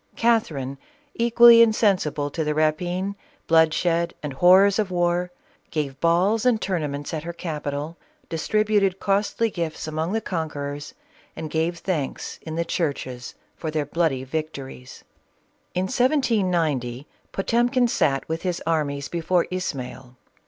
Catherine, equally in sensible to the rapine, bloodshed and horrors of war, gave balls and tournaments at her capital, distributed costly gifts among the conquerors, and gave thanks in the churches for their bloody victories. In 1790, Potemkin sat with his armies before Ismail.